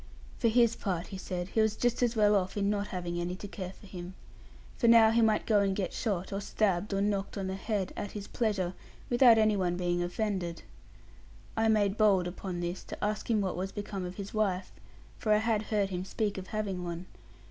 For his part, he said, he was just as well off in not having any to care for him. For now he might go and get shot, or stabbed, or knocked on the head, at his pleasure, without any one being offended. I made bold, upon this, to ask him what was become of his wife; for I had heard him speak of having one.